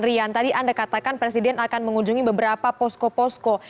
rian tadi anda katakan presiden akan mengunjungi beberapa posko posko